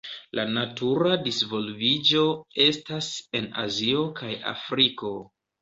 La natura disvolviĝo estas en Azio kaj Afriko.